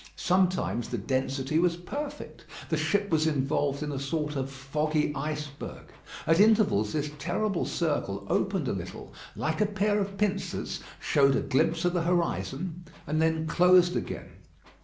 Sometimes the density was perfect. The ship was involved in a sort of foggy iceberg. At intervals this terrible circle opened a little, like a pair of pincers; showed a glimpse of the horizon, and then closed again.